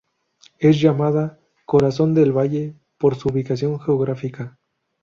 Es llamada "Corazón del Valle" por su ubicación geográfica.